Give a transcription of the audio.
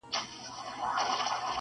درواري دي سم شاعر سه قلم واخله,